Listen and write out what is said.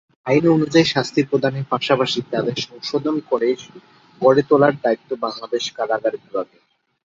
আইন অনুসারে শাস্তি প্রদানের পাশাপাশি তাকে সংশোধন করে গড়ে তোলার দায়িত্ব বাংলাদেশ কারা বিভাগের।